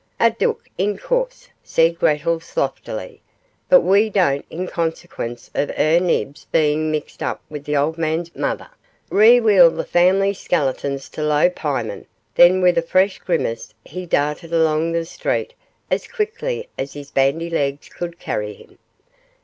'A dook, in course,' said Grattles loftily; 'but we don't, in consequence of 'er Nibs bein' mixed up with the old man's mother, reweal the family skeletons to low piemen,' then, with a fresh grimace, he darted along the street as quickly as his bandy legs could carry him.